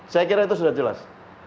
saya kira itu sudah jelas